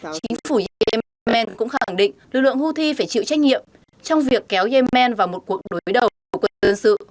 chính phủ yem yemen cũng khẳng định lực lượng houthi phải chịu trách nhiệm trong việc kéo yemen vào một cuộc đối đầu của quân dân sự